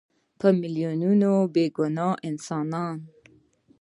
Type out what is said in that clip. په میلیونونو بېګناه انسانان.